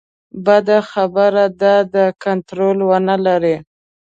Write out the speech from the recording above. بده خبره دا ده کنټرول ونه لري.